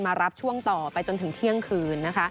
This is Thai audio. มารับช่วงต่อไปจนถึงเที่ยงคืน